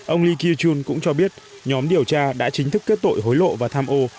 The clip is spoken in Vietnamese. ông lee kyu chun cũng cho biết nhóm điều tra đã chính thức kết tội hối lộ và tham ô